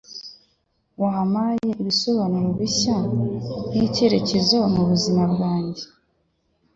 Wampaye ibisobanuro bishya n'icyerekezo mu buzima bwanjye.